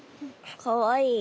かわいい。